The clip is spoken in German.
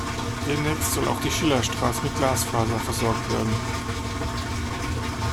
Demnächst soll auch die Schillerstraße mit Glasfaser versorgt werden.